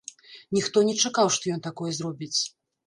Ніхто не чакаў, што ён такое зробіць.